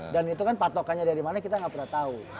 dan itu kan patokannya dari mana kita gak pernah tau